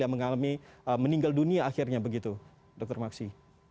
yang mengalami meninggal dunia akhirnya begitu dr maksi